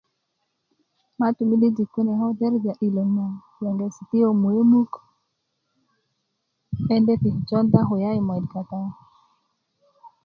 maatu midijik kune ko derja 'diloŋ na 'be de ti ko muke muk 'ben the ti jowuda kulya yi moyit kata yu